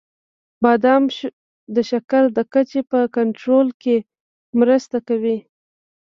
• بادام د شکر د کچې په کنټرول کې مرسته کوي.